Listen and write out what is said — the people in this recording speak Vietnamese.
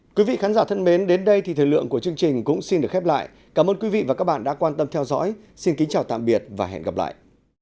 nếu bạn thích video video này thì hãy subscribe cho kênh ghiền mì gõ để không bỏ lỡ những video hấp dẫn